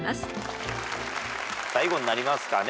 最後になりますかね